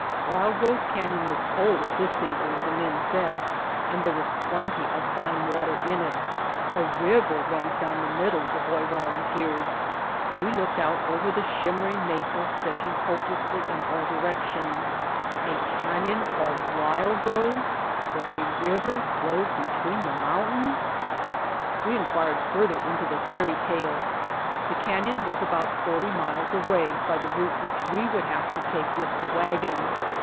Wild Rose Canyon was cold at this season, the men said, and there was plenty of fine water in it. "A river runs down the middle," the boy volun teered. We looked out over the shimmering mesa stretching hopelessly in all directions. A canyon called Wild Rose where a river flowed between the mountains! We inquired further into the fairy tale. The Canyon was about forty miles away by the route which we would have to take with the wagon.